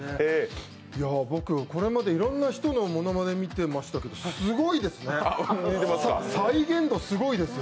僕、これまでいろんな人のものまね見てましたけど、すごいですね、再現度すごいです。